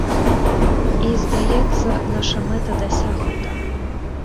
І, здаецца, наша мэта дасягнута.